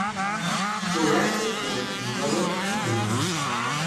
Corrette was born in Rouen, Normandy.